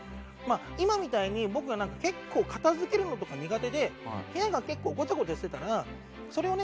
今みたいに僕がなんか結構片付けるのとか苦手で部屋が結構ごちゃごちゃしてたらそれをね